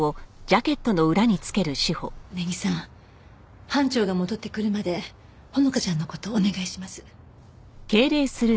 根木さん班長が戻ってくるまで穂花ちゃんの事お願いします。